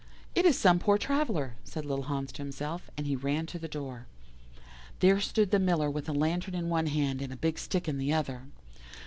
"'It is some poor traveller,' said little Hans to himself, and he ran to the door. "There stood the Miller with a lantern in one hand and a big stick in the other.